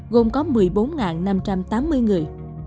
gồm có một mươi bốn năm trăm tám mươi người